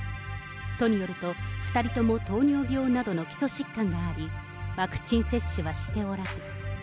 都によると２人とも糖尿病などの基礎疾患があり、ワクチン接種はしておらず。